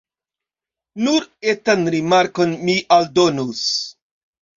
Nur etan rimarkon mi aldonus.